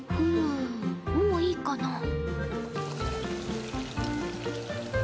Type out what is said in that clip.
ふむもういいかな？